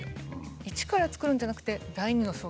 一からつくるんじゃなくて第二の創業。